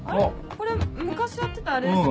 これ昔やってたあれですよね？